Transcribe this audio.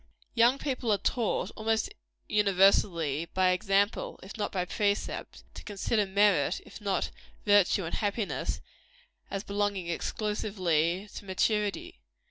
Young people are taught, almost universally by example, if not by precept to consider merit, if not virtue and happiness, as belonging exclusively to maturity.